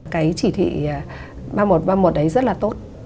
cái chỉ thị ba nghìn một trăm ba mươi một đấy rất là tốt